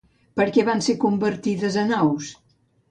Per què van ser convertides en aus?